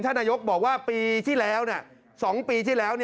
นายกบอกว่าปีที่แล้ว๒ปีที่แล้ว